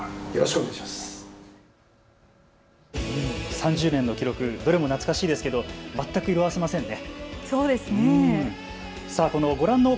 ３０年の記録どれも懐かしいですけど全く色あせませんね。